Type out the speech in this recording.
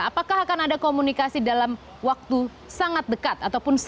apakah akan ada komunikasi dalam waktu sangat dekat